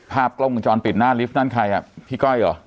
ภาพกล้องวงจรปิดหน้าลิฟต์นั้นใครอ่ะพี่ก้อยเหรอ